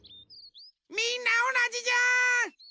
みんなおなじじゃん！